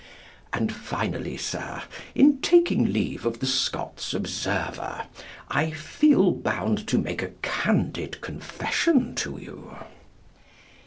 And finally, Sir, in taking leave of the Scots Observer, I feel bound to make a candid confession to you.